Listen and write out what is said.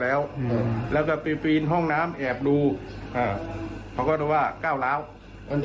แล้วแล้วก็ไปปีนห้องน้ำแอบดูเขาเรียกว่าก้าวล้าวอัน